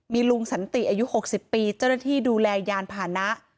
มีลุงสันติอายุ๖๐ปีเจ้าหน้าที่ดูแลยานผ่านนะ